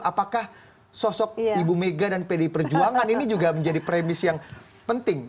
apakah sosok ibu mega dan pdi perjuangan ini juga menjadi premis yang penting